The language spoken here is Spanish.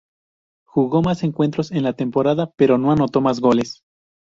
Jugó más encuentros en la temporada, pero no anotó más goles.